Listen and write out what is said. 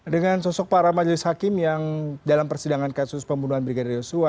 dengan sosok para majelis hakim yang dalam persidangan kasus pembunuhan brigadir yosua